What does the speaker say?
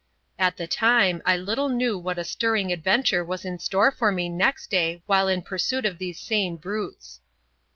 At the time I little knew what a stirring adventure was in store for me next day while in pursuit of these same brutes.